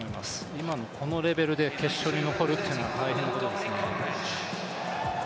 今のこのレベルで決勝に残るっていうのは大変なことですね。